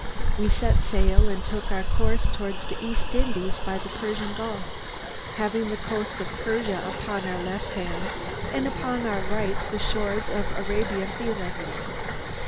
We set sail and took our course towards the East Indies by the Persian Gulf, having the coast of Persia upon our left hand and upon our right the shores of Arabia Felix.